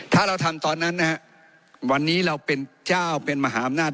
ถ้าเราทำตอนนั้นนะฮะวันนี้เราเป็นเจ้าเป็นมหาอำนาจ